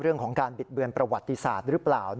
เรื่องของการบิดเบือนประวัติศาสตร์หรือเปล่า